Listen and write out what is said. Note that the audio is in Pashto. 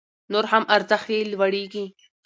نور هم ارزښت يې لوړيږي